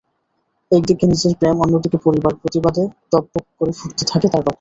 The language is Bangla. একদিকে নিজের প্রেম, অন্যদিকে পরিবার—প্রতিবাদে টগবগ করে ফুটতে থাকে তার রক্ত।